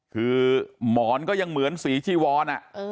คือหมอนก็ยังเหมือนสีจีวอน